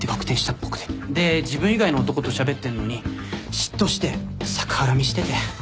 で自分以外の男としゃべってるのに嫉妬して逆恨みしてて。